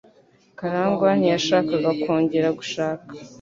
Karangwa ntiyashakaga kongera gushaka.